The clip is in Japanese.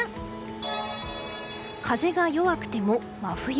風が弱くても真冬。